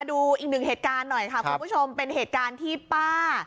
ดูอีกหนึ่งเหตุการณ์หน่อยค่ะคุณผู้ชมเป็นเหตุการณ์ที่ป้า